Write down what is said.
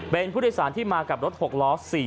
เป็นผู้โดยสารที่มากับรถ๖ล้อ